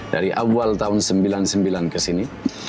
dari awal tahun sembilan puluh sembilan kesini